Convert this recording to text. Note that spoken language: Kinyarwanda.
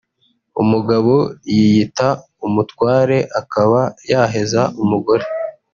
umugabo yiyita umutware akaba yaheza umugore